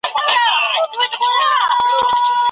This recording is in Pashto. انا په خپلو تېرو کړنو باندې ډېره پښېمانه ده.